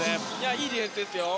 いいディフェンスですよ。